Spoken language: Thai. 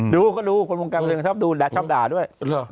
ดูก็ดูคนบริการชอบดูและชอบด่าด้วย